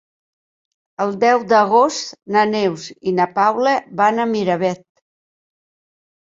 El deu d'agost na Neus i na Paula van a Miravet.